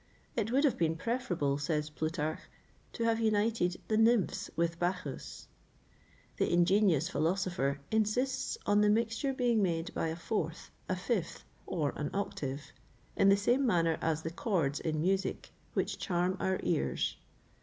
It would have been preferable, says Plutarch, to have united the nymphs with Bacchus.[XXVIII 28] The ingenious philosopher insists on the mixture being made by a fourth, a fifth, or an octave, in the same manner as the chords in music, which charm our ears.